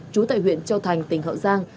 chú tại huyện châu thành tỉnh hậu giang